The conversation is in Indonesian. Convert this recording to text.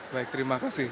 baik terima kasih